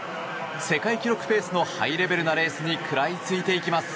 世界記録ペースのハイレベルなレースに食らいついていきます。